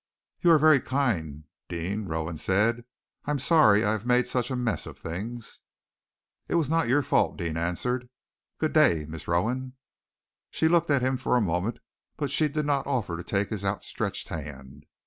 "You are very kind, Deane," Rowan said. "I am sorry I have made such a mess of things." "It was not your fault," Deane answered. "Good day, Miss Rowan!" She looked at him for a moment, but she did not offer to take his outstretched hand.